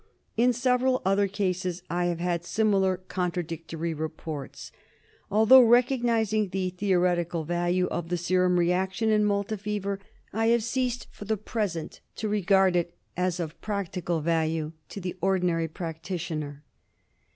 '* In several other cases I have had similar contradictory reports. DIAGNOSIS OF ABSCESS OF THE LIVER. 1 73 Although recognising the theoretical value of the serum reaction in Malta fever, I have ceased for the present to regard it as of practical value to the ordinary practitioner.